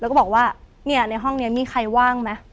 แล้วก็บอกว่าเนี่ยในห้องนี้มีใครว่างไหม